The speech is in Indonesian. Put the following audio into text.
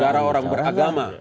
negara orang beragama